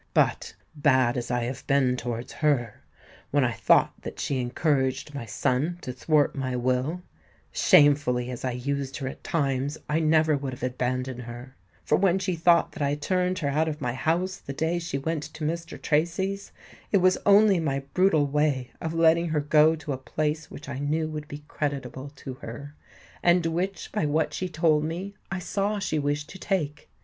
But, bad as I have been towards her when I thought that she encouraged my son to thwart my will,—shamefully as I used her at times, I never would have abandoned her;—for when she thought that I turned her out of my house the day she went to Mr. Tracy's, it was only my brutal way of letting her go to a place which I knew would be creditable to her, and which, by what she told me, I saw she wished to take.